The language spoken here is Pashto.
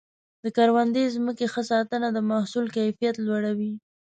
د کروندې ځمکې ښه ساتنه د محصول کیفیت لوړوي.